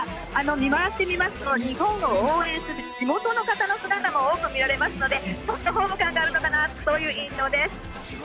見回してみますと日本を応援する地元の方の姿も多く見られますのでホーム感があるのかなという印象です。